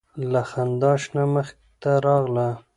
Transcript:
له خندا شنه مخې ته راغله